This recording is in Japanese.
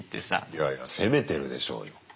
いやいや攻めてるでしょうよ。